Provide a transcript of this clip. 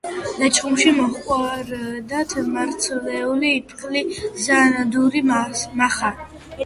ლეჩხუმში მოჰყავდათ მარცვლეული იფქლი, ზანდური, მახა.